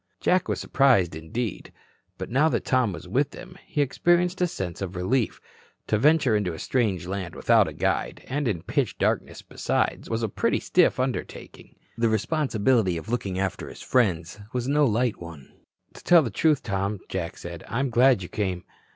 Jack was surprised, indeed. But now that Tom was with them, he experienced a sense of relief. To venture into a strange land without a guide, and in pitch darkness, besides, was a pretty stiff undertaking. The responsibility of looking after his friends was no light one. "To tell the truth, Tom," Jack said, "I'm glad you came."